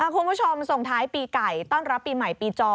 คุณผู้ชมส่งท้ายปีไก่ต้อนรับปีใหม่ปีจอ